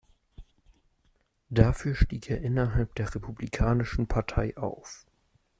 Dafür stieg er innerhalb der Republikanischen Partei auf.